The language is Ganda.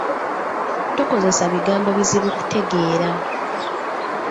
Tokozesa bigambo bizibu kutegeera.